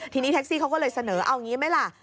ทีนี้แท็กซี่เขาก็เลยเสนอเอางี้ไหมล่ะ